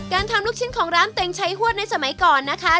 การทำลูกชิ้นของร้านเต็งใช้ฮวดในสมัยก่อนนะคะ